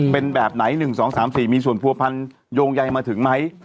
เป็นแบบไหน๑๒๓๔มีส่วนผัวพันโยงใยมาถึงไหม